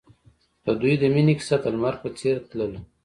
د دوی د مینې کیسه د لمر په څېر تلله.